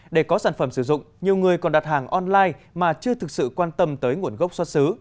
để có sản phẩm sử dụng nhiều người còn đặt hàng online mà chưa thực sự quan tâm tới nguồn gốc xuất xứ